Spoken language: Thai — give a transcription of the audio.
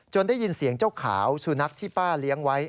ได้ยินเสียงเจ้าขาวสุนัขที่ป้าเลี้ยงไว้